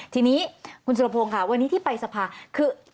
ทีนี้คุณสุรพงศ์ค่ะวันนี้ที่ไปสภาคือ